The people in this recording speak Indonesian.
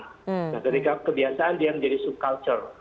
nah ketika kebiasaan dia menjadi sub culture